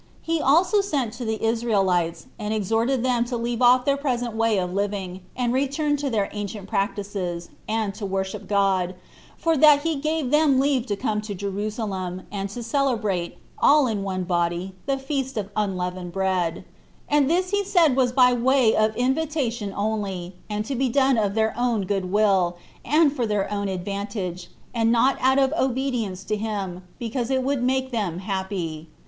He also sent to the Israelites, and exhorted them to leave off their present way of living, and return to their ancient practices, and to worship God, for that he gave them leave to come to Jerusalem, and to celebrate, all in one body, the feast of unleavened bread; and this he said was by way of invitation only, and to be done of their own good will, and for their own advantage, and not out of obedience to him, because it would make them happy.